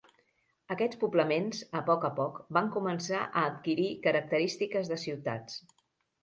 Aquests poblaments a poc a poc van començar a adquirir característiques de ciutats.